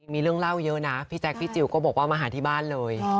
มีเรื่องเล่าเยอะนะพี่แจ๊คพี่จิลก็บอกว่ามาหาที่บ้านเลย